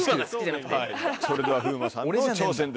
それでは風磨さんの挑戦です。